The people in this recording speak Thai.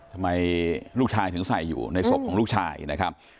ทำไมลูกชายถึงใส่อยู่ในศพของลูกชายนะครับ